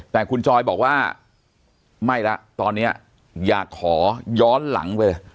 แต่คุณจอยบอกว่าไม่แล้วตอนนี้อยากขอย้อนหลังเลย